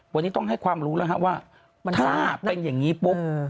วันนี้ต้องให้ความรู้แล้วว่าถ้าเป็นอย่างนี้ปุ๊บ